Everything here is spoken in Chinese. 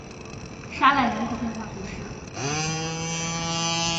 沙赖人口变化图示